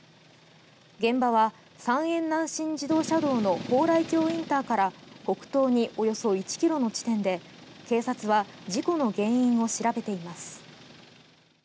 現場は三遠南信自動車道の鳳来峡ＩＣから北東におよそ１ｋｍの地点で警察は事故の原因を調べています。